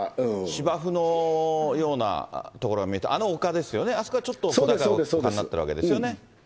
芝生のような所が見えて、あのおかですよね、あそこがちょっと小高いおかになってるわけですよね。